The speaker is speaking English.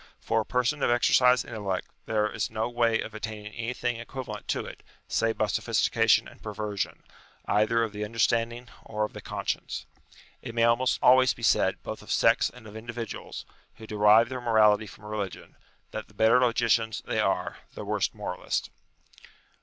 For a person of exercised intellect, there is no way of attaining anything equivalent to it, save by sophis tication and perversion, either of the understanding or of the conscience. It may almost always be said both of sects and of individuals, who derive their morality from religion, that the better logicians they are, the worse moralists.